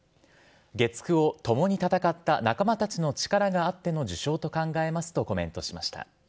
月９を共に戦った仲間たちの力があっての受章と考えますとコメントしました。